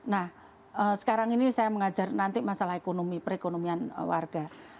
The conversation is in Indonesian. nah sekarang ini saya mengajar nanti masalah ekonomi perekonomian warga